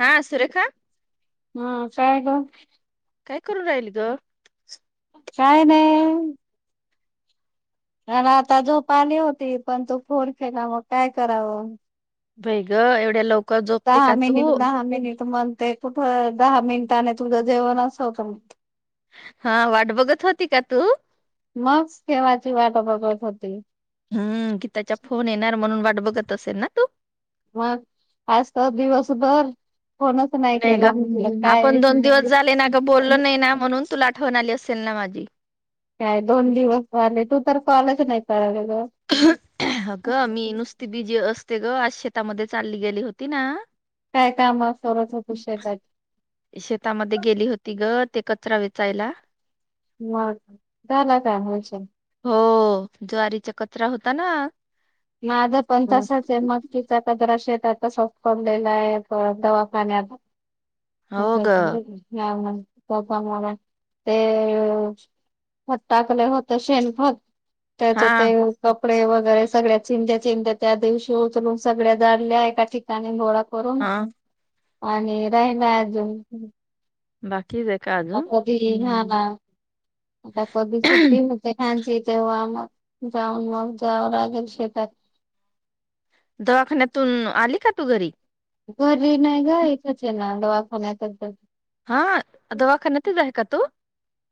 हा सुरेखा हा काय ग काय करून राहिल ग काय नाही आन आता झोपाले होती पण तो फोन केला, मग काय करावं? भे ग एवढ्या लवक दहा मिनिट दहा मिनिट म्हणते कुठं दहा मिनिटाने तुझं जेवण अस होतं म हा वाट बघत होती का तू? मग ठेवायची वाट बघत होती. हम्म की त्याच्या फोन येणार म्हणून वाट बघत असेल ना तू. मग आज तर दिवसभर कोणच नाही गं, आपण दोन दिवस झाले ना गं बोललो नाही ना, म्हणून तुला आठवण आली असेल ना माझी. काय दोन दिवस झाले तू तर कॉलच नाही करत गं. अगं मी नुसती बीजी असते गं, आज शेतामध्ये चालली गेली होती ना. काय काम करत होतो शेताची. शेतामध्ये गेली होती गं ते कचरा वेचायला. म झाला का मोशन? हो ज्वारीचा कचरा होता ना. माझ पण तसाच आहे मग ती द्रश येत आता सफकनलेला आहे दवाखानेता हो ग ला प्पा मला ते फत टाकलं होत शेणफत त्याच हा ते कपडे वगैरे सगळ्या चिंज्या चिंज्या त्या दिवशी उचरून सगळ्या जाल्या आहे कािक गोळा करून हा आणि राहिला अजून बाकी बे का अजून कधी हा ना, आता कधी सुट्टी मग? तेखांची ची तेेव आम जाऊन म जाव लागेल शेतात. दवाखान्यातून आली का तू घरी? घरी नाही ग इथंच आहे ना दवाखान्यातच ये. हा, दवाखाान्यातच आहे का तू?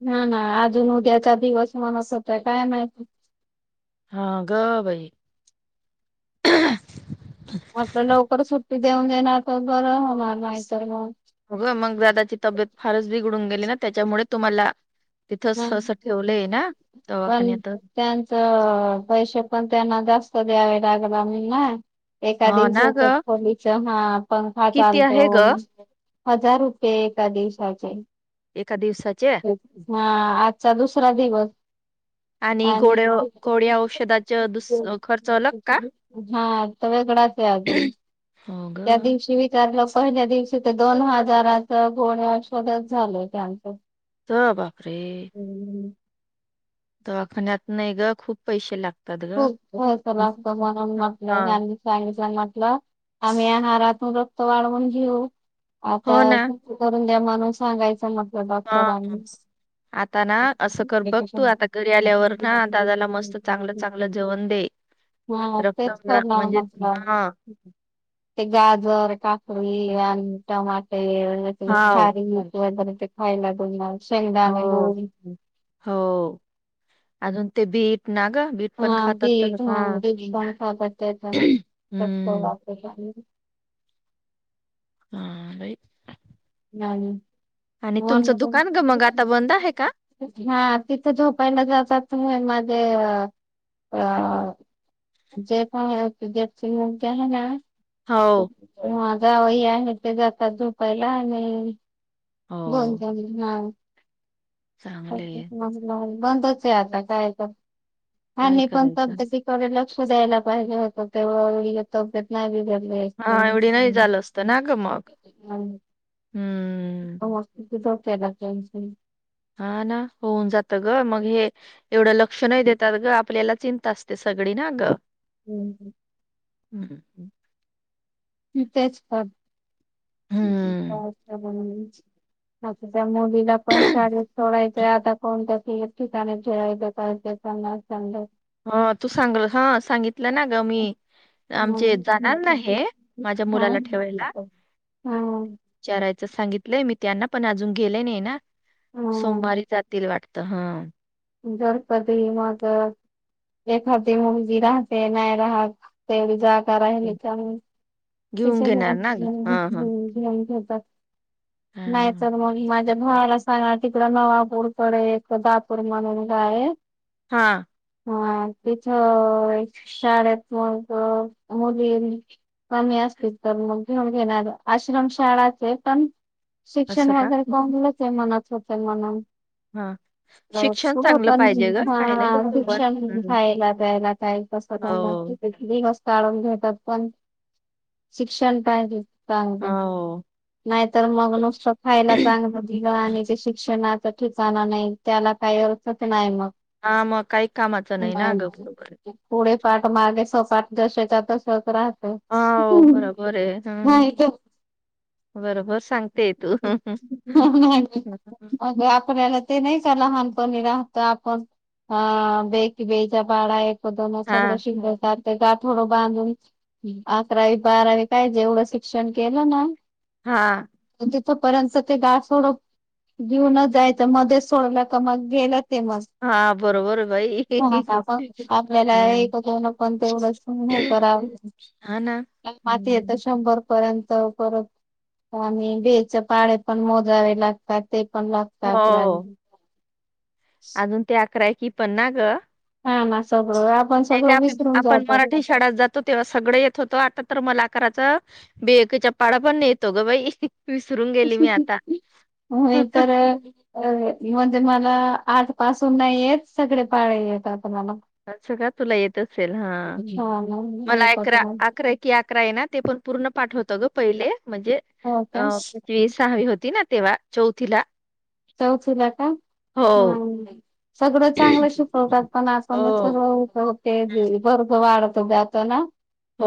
हा ना अजून उद्याचा दिवस [unintelligible] होत काय माहिती. हा ग बई. आपलं लवकर सुट्टी देऊन देणार तर बरं होणार नाहीतर मग. हो गं मंग दादाची तब्येत फारच बिघडून गेली ना, त्याच्यामुळे तुम्हाला ह तिथंच असं ठेवलंय ना, दवाखान्यात. त्यांचं पैसे पण त्यांना जास्त द्यावे लागनार नई ना. एका हा ना दिवसाच्या ग खोलीच, हा पंखा किती चालतो. आहे ग हजार होते, एका दिवसाचे. एका दिवसाचे? हा आजचा दुसरा दिवस. आणि गोड्या [inaudible] गोड्या औषधाच दुस खर्च अलग का हा. सगळीकडं असंय अजून, हो ग त्या दिवशी बी विचारलं पहिल्या दिवशी ते दोन हजाराच [unintelligible] झाल त्याच. तर बापरे! हम्म, दवाखान्यात नाही गं खूप पैसे लाग खूप खर्च लागतो म्हणून हा म्हटलं ह्यांनी सांगितलं अण म्हटलं आम्ही आहारातून रक्त वाढवून घेऊ हो आता ना करून द्या म्हणून सांगायचं म्हटलं हा डॉक्टरांनी. आता ना असं कर बघ तू आता घरी आल्यावर ना, दादाला मस्त चांगल चांगल जेवण दे. हा, तेच रक्तवाढा करणार म्हणजे मग काय. हा ते गाजर, काकडी आणि टमाटे वगैरे हाव खारीक वगैरे ते खायला देणार शेंगदाणे हो गुळ हो, अजून ते बीट ना गं बीट पण हा, खातात तर बीट हा बीट पण खातात त्याच्यान रक्त हम्म वाढतं त्याने. हा, बाई. नाही. आणि तुमचं दुकान गं मग, आता बंद आहे का? हा, तिथं झोपायला जातात म- माझे अ अ जे काय हाय [unintelligible] हो हा जावई आहेत ते जातात, झोपायला आणि [unintelligible] हो पीन हा. चांगले [unintelligible] बंदच आहे आता काय तर, आणि काय मी पण करायचं थोडे लक्ष द्यायला पाहिजे होतं तेव्हा [unintelligible] तब्येत नाही बिघडली असती, हा एवढी नाही झालं असतं ना ग मग हा ना. हम्म, तो हॉस्पिटल [unintelligible] हा ना, होऊन जात गं मग हे एवढं लक्ष नाही देतात गं, आपल्याला चिंता असते सगळी ना गं. हम्म, ह ह. आणि तेच पाप हम्म काय असत [unintelligible] त्यामुळे तिला पण शाळेत सोडायचं आता कोणत [unintelligible] ठिकाणी खेळाय पळायचं त्यामुळं चांगलयं. हा तू सांगल, हा सांगितलं ना गं मी. आमचे जाणार ना हे माझ्या हा मुलाला ठेवायला. हा विचारायचं सांगितलंय मी त्यांना पण अजून गेले नाही ना, हा सोमवारी जातील वाटतयं. त हा जर कधी मग एखादी मुलगी राहते नाय राहत. तेवढी जागा राहिली का मग घेऊन त्यामुळ घेणार त ना ग हा हा [unintelligible] घेऊन ठेवतात हा नाय तर मग माझ्या भावाला सांगा तिकड नवापूरकडे एक दातूर म्हणून गाव ये हा हा तिथं शाळेत मग मुलीनं कमी असतीलच तर मग घेऊन घेणार आश्रमशाळाचये पण शिक्षण असं का वगैरे [unintelligible] आहे म्हणत होते म्हणून हा शिक्षण कुंड चांगलं पाहिजे ग पण काय हा नाही बरोबर शिक्षण हम्म. खायला प्यायला काय कस हो [unintelligible] दिवस टाळून घेतात पण शिक्षण पायजेच. चांगलं हो नाय तर मग नुसतं खायला चांगलं दिल आणि ते शिक शिक्षणासाठी जाण नाय त्याला काही अर्थच नाही मग हा मग काही कामाचं नाही ना अगं बरोबर पुढे पाठ मागे सपाट जशाच्या तशाच राहत तो हो बरोबर आहे हम्म नाही तो बरोबर सांग नाय नाय अग आपल्याला ते नाय का लहानपणी राहत आपण अ बे एकी बे चा पाडा एक पदन हा सगळं शिगलं तांर ते गाठोडं बांधून अकरावी बारावी काय जेवढं शिक्षण केलं ना- हा तिथपर्यंत ते गाव सोडून घेऊनच जायच मध्ये सोडला का मग गेलं फेमस हा बरोबर बाई म आता आपण आपल्याला हम्म. एक दोन पण तेवढंच हे करावं ह ना [unintelligible] माती येतं हम्म शंभर पर्यंत परत आणि बेच्या पाढे पण मोजावे या लागतात ते पण लाग हो अजून ते अकरा एकी कि पण ना ग हा ना सगळं आपण सगळं विसरून जातात. शाडात जात होती सगड येत होतो आता तर मला आकराच बे ऐक च्या पाडा पण नाय येतो ग बाई विसरून गेली मी आता मी तर अ म्हणजे मला आठ पासून नाय येत सगडे पाडे येता पण मला सगळा तुला येत असेल हा हा ना मला येत होत एकरा अकरा एक की अकरा आहे ना ते पण पूर्ण पाठ होत ग पहिले म्हणजे हो का अं कितवी सहावी होती ना तेव्हा चौथीला चौथीला का हो हा सगळं चांगलं शिकवतात पण आजण हो सगळं उठ ते बी [unintelligible] वाढत जात ना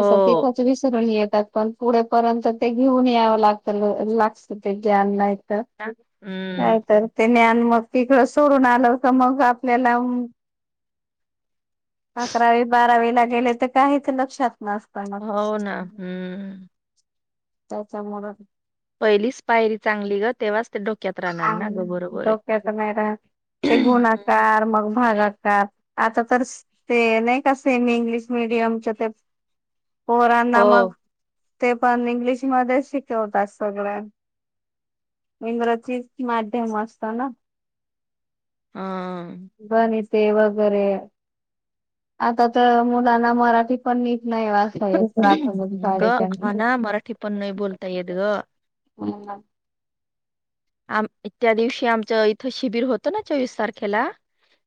असं तिथं विसरून येतात पण पुढेपर्यंत ते घेऊन यावं लागत लागत ते ग्यान नायत. हम्म काय तर ते ज्ञान मग तिकडं सोडून आलं का मग आपल्याला अकरावी बारावी ला गेले तर काहीच लक्षात नस हो ना हम्म त्याच्यामुळ पहिलीच पायरी चांगली ग तेव्हाच ते डोक्यात राहणार ना ग बरोबरये. ते आता नाय राहत ते गुणाकार मग भागाकार आता तर ते नाही का? सेमी इंग्लिश मिडियमच्या ते पोरांना मग हो ते पण इंग्लिश मध्येचं शिकवतात सगळं इंग्रज ची माध्यम असता ना. हा. बनेल तेव्हा वगैरे आता तर, मुलांना मराठी पण नीट नाही वा [unintelligible] गं होना मराठी पण नाही बोलता येत गं. हा हा. आम -त्या दिवशी आमचं इथं शिबिर होतं ना, चोवीस तारखेला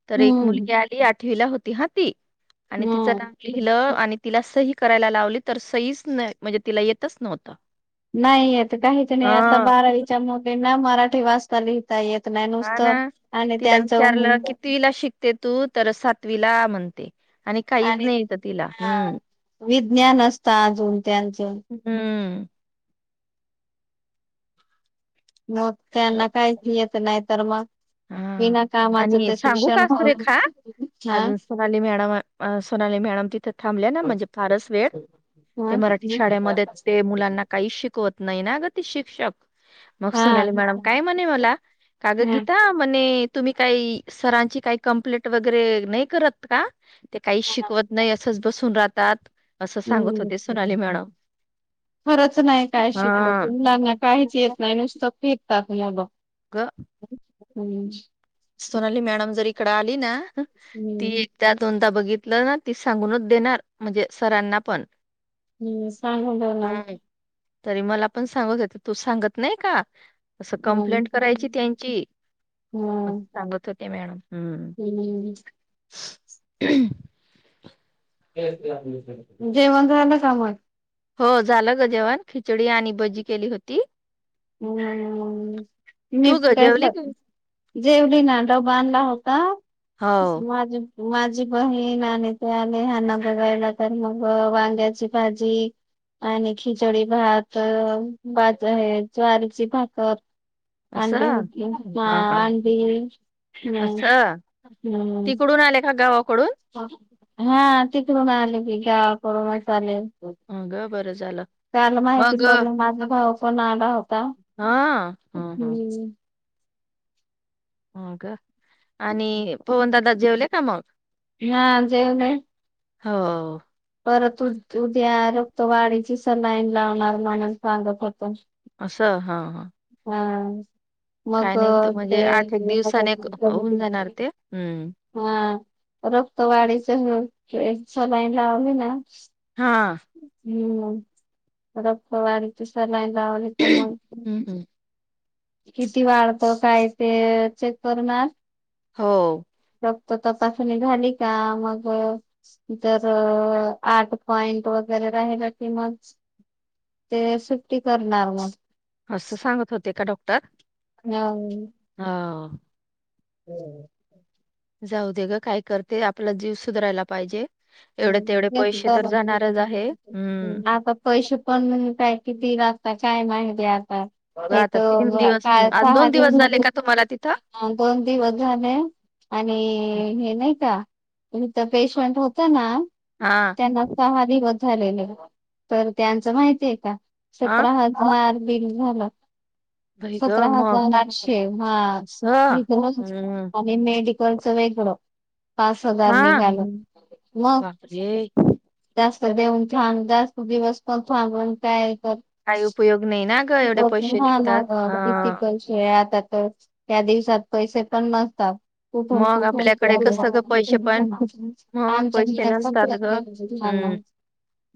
तर एक मुलगी आली आठवीला होती, हा ती आणि तिचं हम्म नाव लिहिलं आणि तिला सही करायला लावली तर, सहीच नाही म्हणजे तिला येतच नव्हतं. नाही येत काहीच नाही, आता हा बारावीच्या मुलींना मराठी वा चता लिहिता येत नाही, नुसतं आणि त्यांच किती ला शिकते तु? तर सातवीला म्हणते. काहीच आणि नाही येत तिला हा हम्म विज्ञान असत अजून त्यांच हम्म, मग त्यांना काहीच येत नाही तर मग हा विना कामाच आणि ते सांगू शिक्षण का सुरेखा हा अजून सोनाली मॅडम सोनाली मॅडम तिथे थांबले ना, म्हणजे फारच वेळ ते हा मराठी शाळेमध्ये ते मुलांना काय काहीच शिकवत नाही ना गं, ती शिक्षक मग हा सोनाली मॅडम काय म्हणे मला का गं गी हा, म्हणे तुम्ही काही सरांची काही कंप्लेट वगैरे नाही करत का? ते काही शिकवत नाही, असंच बसून राहतात. असं सांगत हम्म होते ह, सोनाली मॅडम खरंच नाही काय हा शिकवत मुलाना काहीच येत नाही नुसतं टाकल्या ब गं अह हम्म, सोनाली मॅडम जर इकडं आली ना ती हम्म त्या दोनदा बघितलं ती, सांगूनच देणार म्हणजे सरांना पण हम्म, सांगून ठेवणार. हम्म तरी मला पण सांगत होते तू सांगत नाही का, असं हम्म कंप्लीट करायची त्यांची. म हम्म सांगत होते, मॅडम हम्म. हम्म, [unintelligible] [unintelligible] जेवण झालं का मग? हो, झालं गं जेवण खिचडी आणि भजी केली होती. तू ग जेवली का अममम [unintelligible] जेवली ना, डबा आणला होता हो माझे माझी बहीण आणि ते आले ह्यांना बघायला तर, मग वांग्याची भाजी आणि खिचडी भात, भजे आहे ज्वारीची भाकर अंडी असं होती, हा अंडी हम्म असं हम्म, तिकडून आले का गावाकडून [unintelligible] हा, तिकडून आले की गावा कडूनच आले. अ ग बरं झालं त्याला माहिती मग पडल, माझा भाऊ पण आला होता. ता हा ह हम्म, हो का, आणि पवनदादा जेवले का मग? हा, जेवले. हो हो. परत उद्या रक्त वाढीची सलाईन लावणार म्हणून सांगत होतो. असं, हा हा! हम्! मग काय नाही त- ते म्हणजे आठ एक दिवसाने क- होऊन जाणार [unintelligible] ते हम्म हा रक्त वाढीच सलाईन लावली ना! हा! हम्म रक्त वाढीची सलाईन लावली त मग, हम्म हम्म. किती वाढतं काय ते चेक करणार. हो! रक्त तपासणी झाली का मग, तर आठ पॉइंट वगैरे राहिला कि मग ते सुट्टी करणार मग, असं सांगत होते का डॉक्टर नाही. हव. हो. जाऊ दे ग काय करते, आपला जीव सुधरायला पाहिजे. एवढे ह् तेवढे पैसे तर जाणारच आहे [unintelligible] हम्म आता. पैसे पण काय किती लागता काय माहिती आता. ग ते आता तीन तर दिवस काल आज सहा दोन दिव दिवस झाले का तुम्हाला तिथं [unintelligible] दोन दिवस झाले. आणि हे नाही का इथ पेशंट हो त ना हा! त्यांना सहा दिवस झालेले. तर त्याचं माहिती आहे का! हा सतरा हजा फार बिल झालं. बाई ग सतरा मग हजार आठशे हा असं हे हम्म [unintelligible] हे मेडिकलच वेगळं, पाच हजार हा निघाल. मग, बापरे जास्त देऊन थांब जास्त दिवस पण थांबून काय कर काही उपयोग नाही ना! ग [unintelligible] एवढे पैसे निघतात आता हा. तर त्या दिवसात पैसे पण नसतात. कुठून मग आपल्याकडे कुठूनु कसं ग पैसे पण [unintelligible] मग पैसे आमच्या नसतात ग हम्म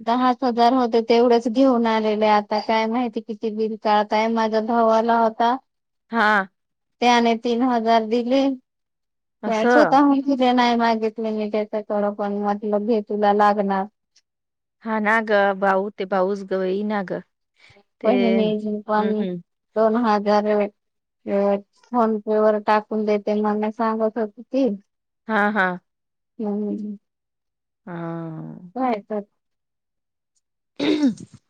दहाच हजार होते, तेवढेच घेऊन आलेले आता काय माहिती किती बिल काढताय माझा भाऊ आला होता. हा! त्याने तीन हजार दिले. वस होत असं नाही मागितले मी त्याच्याकडं पण म्हटलं घेतूला लागणार. हा ना ग! भाऊ ते भाऊच जवळी नाग! बहिणीने पण दोन हजार फोन पे वर टाकून देते मला सांगत होती ती, हा, हा! हम्! ह.... [unintelligible] तर. हम [inaudible]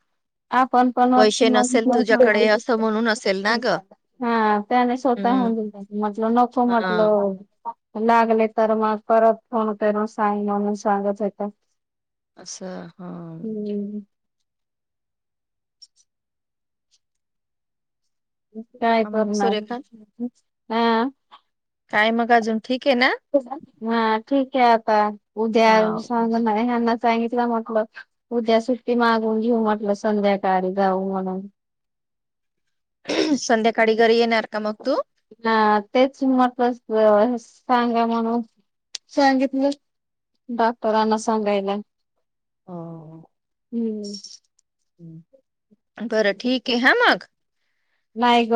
आप आपण पण [unintelligible] तुझ्याकडे असं म्हणून असेल ना ग. हा, त्याने हम्म स्वतःहून दिलं म्हटल नको हा म्हटलं लागले तर मग परत फोन कर साग म्हणून सागत होता. असं हा! हम्! [unintelligible] काय हा, मग करणार सुरेखा हा... काय मग अजून... हा ठीक आहे आता उद्या हा. सज ह्यांना सांगितलं म्हटल... उद्या सुट्टी संध्याकाळी घरी येणार का मग तू हा तेच म्हटलं सांगा म्हणून सांगितलं... डॉक्टरांना सांगायला... हो... हं... बरं ठीक आहे ह मग... न्हाय ग.....